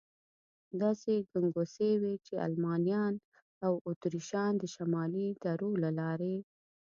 داسې ګنګوسې وې، چې المانیان او اتریشیان د شمالي درو له لارې.